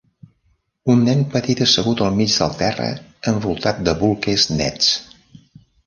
un nen petit assegut al mig del terra envoltat de bolquers nets